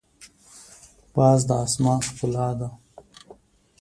باز د اسمان ښکلا ده